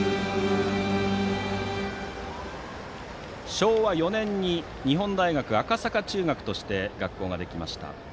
昭和４年に日本大学赤坂中学として学校ができました。